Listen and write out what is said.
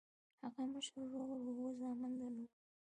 هغه مشر ورور اووه زامن درلودل.